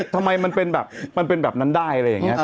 ทำไมมันเป็นแบบนั้นได้